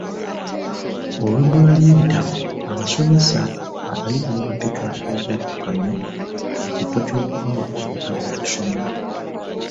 Olw'ebbula ly'ebitabo, abasomesa abayizi babapiika obwejjukanyo mu kifo ky'okubawa obutabo okusoma!